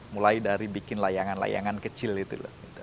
mulai dari bikin layangan layangan kecil itu